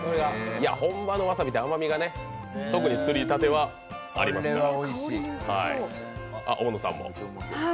本場のわさびって甘みがね、特にすりたてはありますから。